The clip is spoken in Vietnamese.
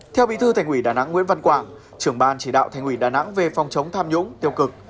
theo bí thư thành ủy đà nẵng nguyễn văn quảng trưởng ban chỉ đạo thành ủy đà nẵng về phòng chống tham nhũng tiêu cực